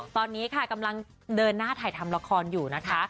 ตอนนี้ค่ะกำลังเดินหน้าถ่ายทำละครอยู่นะคะ